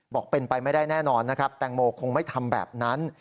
บอกเป็นไปไม่ได้แน่นอนนะครับแตงโมคงไม่ทำแบบนั้น